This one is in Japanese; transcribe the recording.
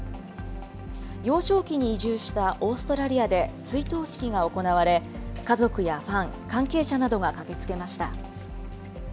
幼少期に移住したオーストラリアで追悼式が行われ、家族やファン、関係者などが駆けつけました。